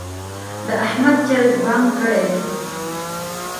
د احمد چرګ بانګ کړی دی.